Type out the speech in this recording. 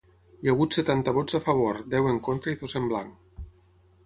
Hi ha hagut setanta vots a favor, deu en contra i dos en blanc.